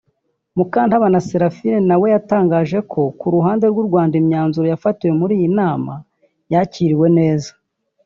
Mukantabana Seraphine na we yatangaje ko ku ruhande rw’u Rwanda imyanzuro yafatiwe muri iyi nama yakiriwe neza